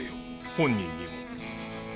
本人にも。